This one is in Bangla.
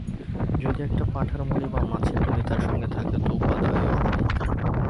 যদি একটা পাঁঠার মুড়ি বা মাছের মুড়ি তার সঙ্গে থাকে তো উপাদেয় হয়।